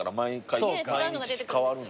違うのが出てくるんですよね。